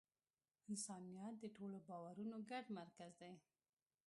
انسانیت د ټولو باورونو ګډ مرکز دی.